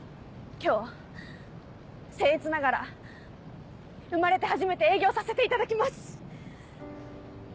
今日僭越ながら生まれて初めて営業させていただきます！